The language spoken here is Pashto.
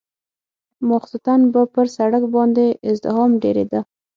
ماخستن به پر سړک باندې ازدحام ډېرېده.